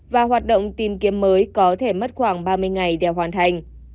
và hoạt động tìm kiếm mới có thể mất khoảng ba mươi ngày để hoàn thành